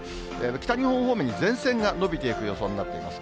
北日本方面に前線が延びていく予想になっています。